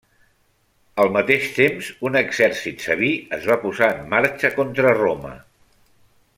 Al mateix temps, un exèrcit sabí es va posar en marxa contra Roma.